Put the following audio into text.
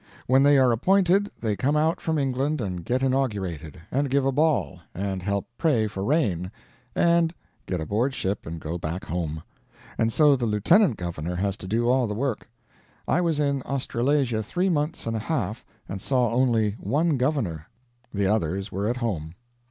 When they are appointed they come out from England and get inaugurated, and give a ball, and help pray for rain, and get aboard ship and go back home. And so the Lieutenant Governor has to do all the work. I was in Australasia three months and a half, and saw only one Governor. The others were at home.